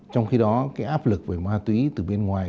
trong khi đó cái áp lực về ma túy từ bên ngoài